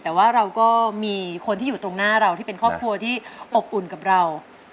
แต่ว่าเราก็มีคนที่อยู่ตรงหน้าเราที่เป็นครอบครัวที่อบอุ่นกับเรา